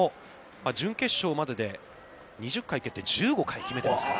準決勝までで２０回蹴って１５回決めてますから。